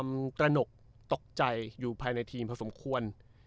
ตระหนกตกใจอยู่ภายในทีมพอสมควร